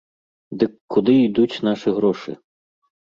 Дык куды ідуць нашы грошы?